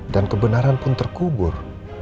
dan kebenaran pun terkubur